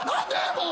もう！